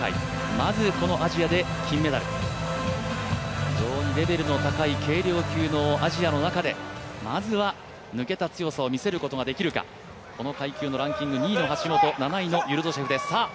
まずアジアで金メダル、非常にレベルの高い軽量級のアジアの中でまずは抜けた強さを見せることができるか、この階級のランキング２位の橋本７位のユルドシェフです。